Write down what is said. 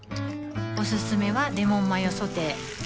おすすめはレモンマヨソテー